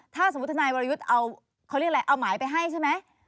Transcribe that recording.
ถ้าสมมุติธนายวรยุทธ์เอาเขาเรียกอะไรเอาหมายไปให้ใช่ไหม